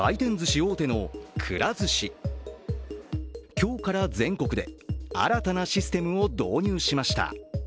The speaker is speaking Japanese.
今日から全国で新たなシステムを導入しました。